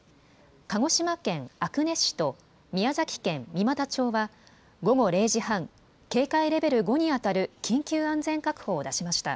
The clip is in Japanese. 鹿児島県阿久根市と宮崎県三股町は、午後０時半、警戒レベル５に当たる緊急安全確保を出しました。